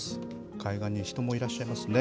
海岸に人もいらっしゃいますね。